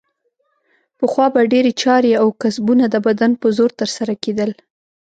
پخوا به ډېرې چارې او کسبونه د بدن په زور ترسره کیدل.